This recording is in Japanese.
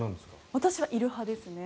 私はいる派ですね。